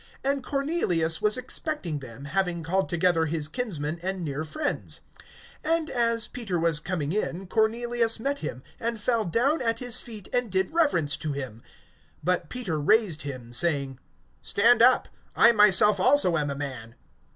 And Cornelius was expecting them, having called together his kinsmen and near friends. (25)And as Peter was coming in, Cornelius met him, and fell down at his feet, and did reverence to him. (26)But Peter raised him, saying: Stand up; I myself also am a man.